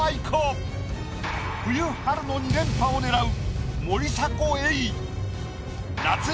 冬春の２連覇を狙う。